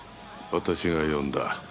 私が呼んだ。